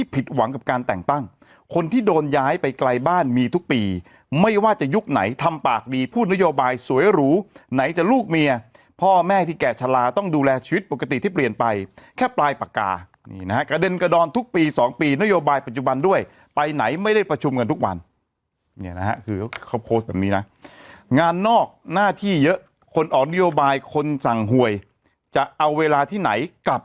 เพราะว่าเข้า๔๕เป๊ะเลยอย่างนี้